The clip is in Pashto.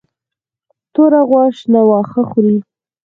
توره غوا شنه واښه خوري.